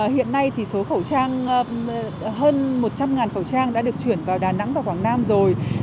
hiện nay thì số khẩu trang hơn một trăm linh khẩu trang đã được chuyển vào đà nẵng và quảng nam rồi